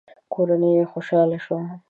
کورنۍ يې خوشاله شوه.